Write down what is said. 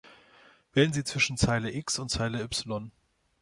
Wählen Sie zwischen Zeile X und Zeile Y.